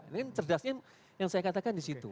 ini cerdasnya yang saya katakan di situ